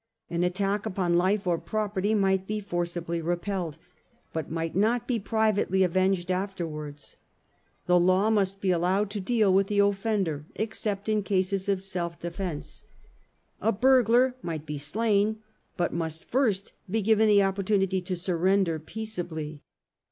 An attack upon life or property might be forcibly repelled, but might not be privately avenged afterwards : the law must be allowed to deal with the offender except in cases of self defence. A burglar might be slain, but must first be given the opportunity to surrender peaceably.